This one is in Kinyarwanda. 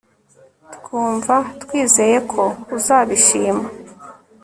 Twumva twizeye ko uzabishima